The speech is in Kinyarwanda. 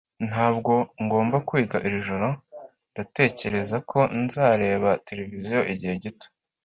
Ntabwo ngomba kwiga iri joro. Ndatekereza ko nzareba televiziyo igihe gito.